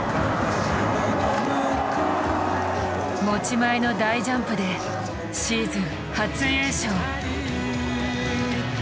持ち前の大ジャンプでシーズン初優勝！